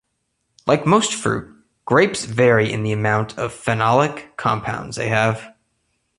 Like most fruit, grapes vary in the amount of phenolic compounds they have.